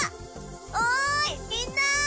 おいみんな！